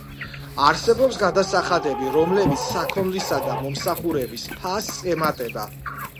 არსებობს გადასახადები, რომლებიც საქონლისა და მომსახურების ფასს ემატება.